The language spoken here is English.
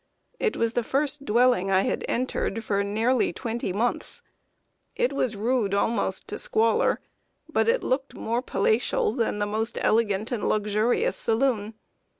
It was the first dwelling I had entered for nearly twenty months. It was rude almost to squalor; but it looked more palatial than the most elegant and luxurious saloon.